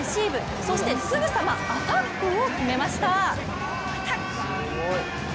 そしてすぐさまアタックを決めました。